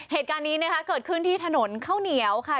เหตุการณ์นี้นะคะเกิดขึ้นที่ถนนข้าวเหนียวค่ะ